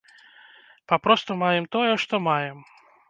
Папросту маем тое, што маем.